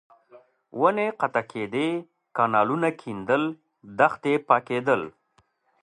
ونې قطع کېدې، کانالونه کېندل، دښتې پاکېدل.